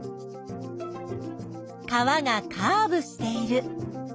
川がカーブしている。